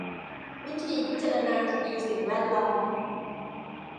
วิธีพิจารณาคดีสิ่งแวดล้อม